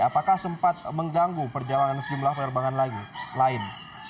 apakah sempat mengganggu perjalanan sejumlah pererbangan lain